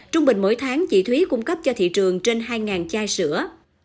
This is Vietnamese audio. trung bình mỗi tháng chị thúy cung cấp cho thị trường trên hai chai sữa